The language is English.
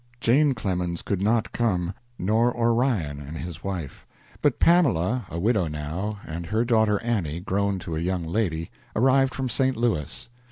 Jane Clemens could not come, nor Orion and his wife; but Pamela, a widow now, and her daughter Annie, grown to a young lady, arrived from St. Louis.